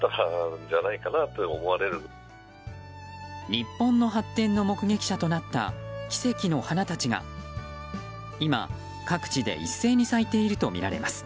日本の発展の目撃者となった奇跡の花たちが、今、各地で一斉に咲いているとみられます。